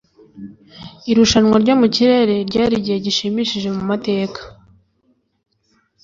Irushanwa ryo mu kirere ryari igihe gishimishije mu mateka